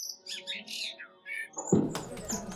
ولي هڅاند سړی د با استعداده کس په پرتله ډېر مخکي ځي؟